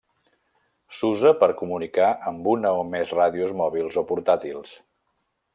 S'usa per comunicar amb una o més ràdios mòbils o portàtils.